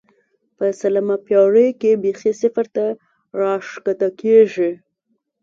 په لسمه پېړۍ کې بېخي صفر ته راښکته کېږي.